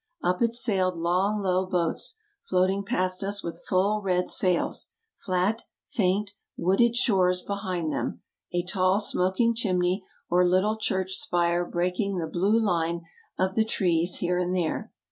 Up it sailed long low boats, floating past us with full red sails, flat, faint, wooded shores behind them, a tall smoking chimney or little church spire breaking the blue line of the trees here and there.